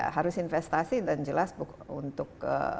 harus investasi dan jelas untuk